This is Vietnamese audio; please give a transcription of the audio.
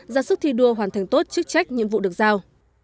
ra sức thi đua hoàn thành tốt chức trách nhiệm vụ được giao